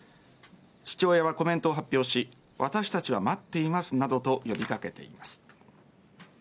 父親はコメントを発表し私たちは待っていますなどと呼びかけています。